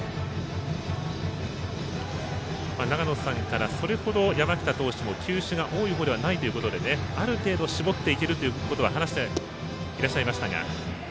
長野さんからそれほど山北投手の球種が多いほうではないということである程度絞っていけるということは話していらっしゃいましたが。